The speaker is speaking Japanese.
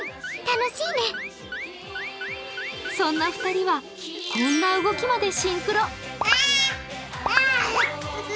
そんな２人はこんな動きまでシンクロ。